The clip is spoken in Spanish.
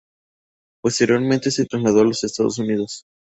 Posteriormente se trasladó a los Estados Unidos.